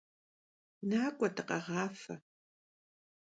Nak'ue dıkheğafe!